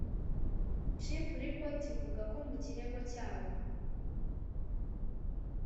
Chimp report ivuga ko mu kirego cyabo